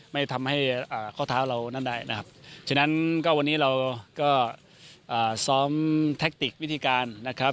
ไม่ทำให้ข้อเท้าเรานั่นได้นะครับฉะนั้นก็วันนี้เราก็ซ้อมแทคติกวิธีการนะครับ